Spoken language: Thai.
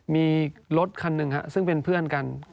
มีรถคันหนึ่งซึ่งเป็นเพื่อนกัน